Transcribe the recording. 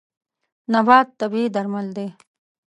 نبات طبیعي درمل دی.